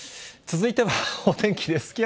続いてはお天気です。